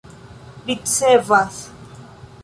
ricevas